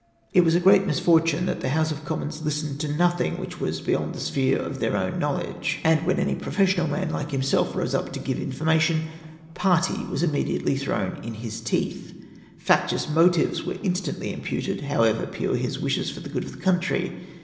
It was a great misfortune that the House of Commons listened to nothing which was beyond the sphere of their own knowledge ; and when any profes sional man, like himself, rose up to give information, parti/ was immediately thrown in his teeth ; factious motives were instantly imputed, however pure his wishes for the good of his country.